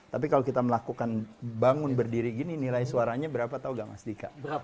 tapi kalau kita melakukan bangun berdiri gini nilai suaranya berapa tau gak mas dika